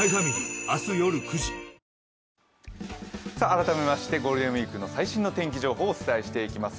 改めましてゴールデンウイークの最新の天気予報をお伝えしていきます。